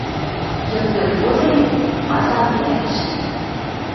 Йыдпел годым вазам вӓрӹш